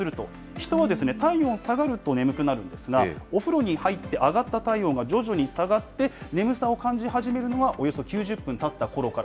人は体温下がると眠くなるんですが、お風呂に入って上がった体温が徐々に下がって眠さを感じ始めるのは、およそ９０分たったころから。